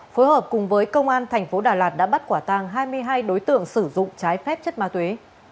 phối hợp cùng với công an thành phố đà lạt đã bắt quả tàng hai mươi hai đối tượng sử dụng trái phép chất ma túy